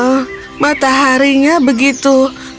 hmm mataharinya begitu